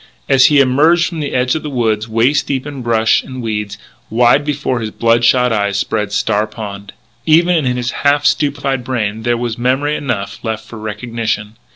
As he emerged from the edge of the woods, waist deep in brush and weeds, wide before his blood shot eyes spread Star Pond. Even in his half stupefied brain there was memory enough left for recognition.